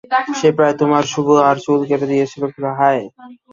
সে প্রায় তোমার শেভ আর চুল কেটে ফেলেছিল, হ্যাহ?